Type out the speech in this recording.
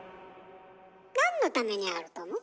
なんのためにあると思う？